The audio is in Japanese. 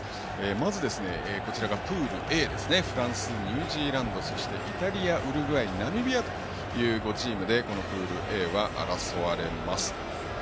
まず、プールＡはフランス、ニュージーランドイタリア、ウルグアイナミビアの５チームでプールＡは争われます。